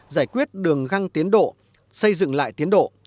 giải quyết đường găng tiến độ xây dựng lại tiến độ